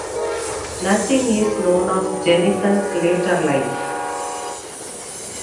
Nothing is known of Jennison's later life.